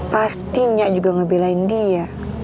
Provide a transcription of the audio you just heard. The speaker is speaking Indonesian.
pastinya juga ngebelain dia